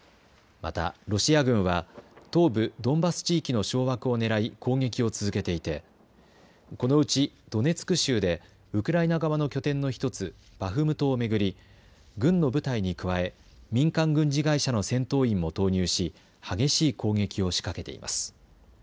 また、ロシア軍は東部ドンバス地域の掌握をねらい攻撃を続けていてこのうちドネツク州でウクライナ側の拠点の１つバフムトを巡り、軍の部隊に加え民間軍事会社の戦闘員も投入し激しい攻撃を仕掛けています。